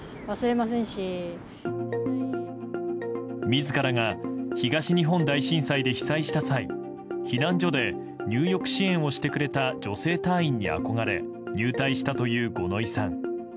自らが東日本大震災で被災した際避難所で入浴支援をしてくれた女性隊員に憧れ入隊したという五ノ井さん。